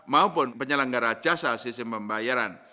maupun penyelenggara jasa sistem pembayaran